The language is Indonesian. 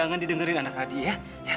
jangan didengerin anak hadi ya